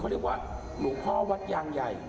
เขาเรียกว่าหลวงพ่อวัดยางใหญ่